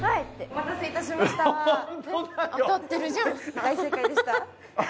大正解でした。